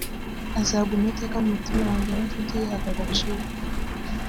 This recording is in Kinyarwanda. Azaguma iteka mu mutima wanjye nk’inshuti yihaga agaciro